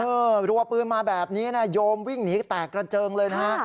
รัวปืนมาแบบนี้นะโยมวิ่งหนีแตกกระเจิงเลยนะฮะ